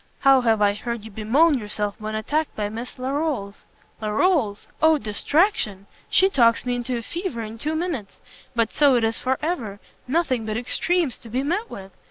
How have I heard you bemoan yourself when attacked by Miss Larolles!" "Larolles? O distraction! She talks me into a fever in two minutes. But so it is for ever! nothing but extremes to be met with!